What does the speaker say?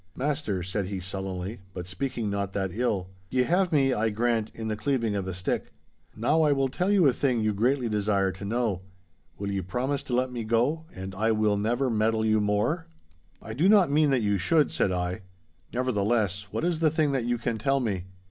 'Master,' said he, sullenly, but speaking not that ill, 'ye have me, I grant, in the cleaving of a stick. Now I will tell you a thing you greatly desire to know. Will ye promise to let me go, and I will never meddle you more?' 'I do not mean that you should,' said I, 'nevertheless, what is the thing that you can tell me?